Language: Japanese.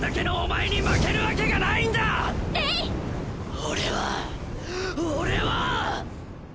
俺は俺は！